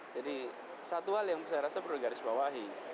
jadi satu hal yang saya rasa perlu digarisbawahi